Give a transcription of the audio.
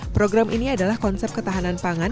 program ini adalah konsep ketahanan pangan